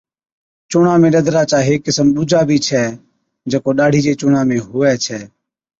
چُونڻا ۾ ڏَدرا چا هيڪ قِسم ڏُوجا بِي ڇَي جڪو ڏاڙهِي چي چُونڻا ۾ هُوَي ڇَي۔